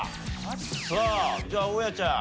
さあじゃあ大家ちゃん。